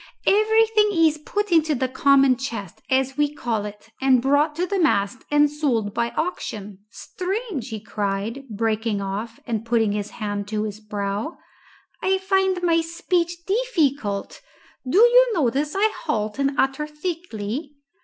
"Everything is put into the common chest, as we call it, and brought to the mast and sold by auction Strange!" he cried, breaking off and putting his hand to his brow. "I find my speech difficult. Do you notice I halt and utter thickly?"